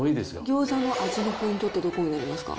餃子の味のポイントってどこにありますか？